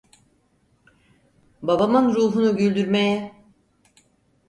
Babamın ruhunu güldürmeye…